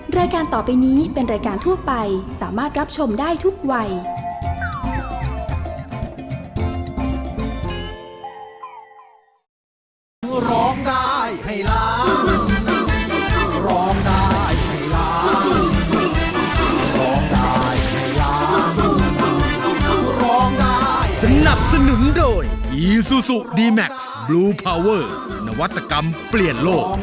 รายการต่อไปนี้เป็นรายการทั่วไปสามารถรับชมได้ทุกวัย